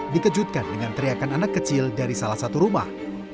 dikejutkan dengan teriakan anak kecil dari salah satu rumah